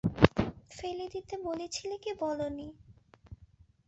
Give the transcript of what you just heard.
ফেলে দিতে বলেছিলে কি বল নি?